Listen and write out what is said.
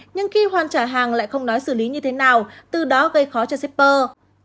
nhưng khi hoàn trả hàng lại không nói xử lý như thế nào từ đó gây khó cho shipper